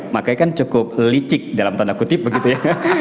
makanya kan cukup licik dalam tanda kutip begitu ya